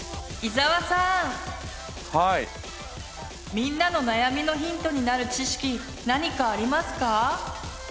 みんなの悩みのヒントになる知識何かありますか？